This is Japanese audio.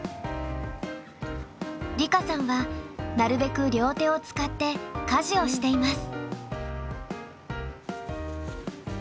梨花さんはなるべく両手を使って家事をしています。